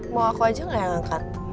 mau aku aja gak yang angkat